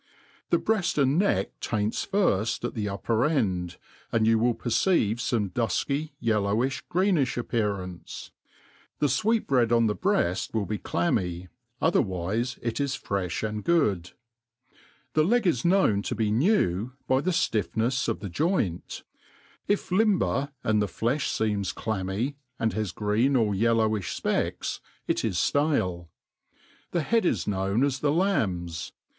The bitaft and neck uints firft at the upper end, and yoti •rill peretivefoasedaflcy^ yellowifli, or gretnifl) appearance ; the fweetbread on the breaft will be ciaitlmy, otherwiie it iq f^dlh and good. The leg is Jbnown to be new by the ftiffnefs of thejoi^t; if limber, and the ftefll fesms damoiy^ and haq g^een or yellowiCh fpecks, it is ftale. The head is known aa the lamb*s.